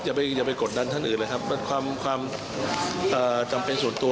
อย่าไปกดดันท่านอื่นเลยครับความความจำเป็นส่วนตัว